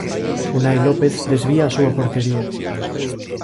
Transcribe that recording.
Unai López desvía á súa portería.